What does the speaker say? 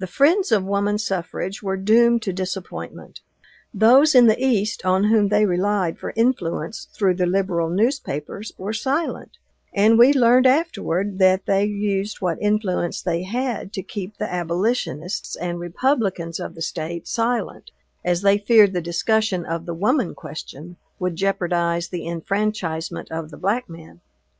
The friends of woman suffrage were doomed to disappointment. Those in the East, on whom they relied for influence through the liberal newspapers, were silent, and we learned, afterward, that they used what influence they had to keep the abolitionists and Republicans of the State silent, as they feared the discussion of the woman question would jeopardize the enfranchisement of the black man.